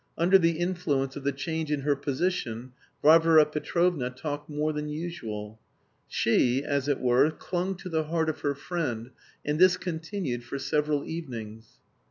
Under the influence of the change in her position Varvara Petrovna talked more than usual. She, as it were, clung to the heart of her friend, and this continued for several evenings.